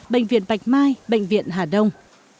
bệnh viện bạch mai bệnh viện hà đông